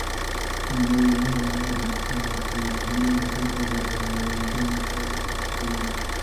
دا نوي الګوریتمونه د خلکو د لټون پایلې په نښه کوي.